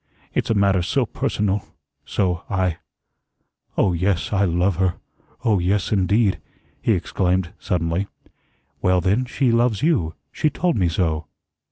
It's a matter so personal so I Oh, yes, I love her. Oh, yes, indeed," he exclaimed, suddenly. "Well, then, she loves you. She told me so."